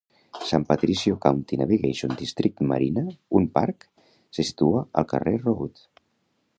San Patricio County Navigation District Marina, un parc, se situa al carrer Road.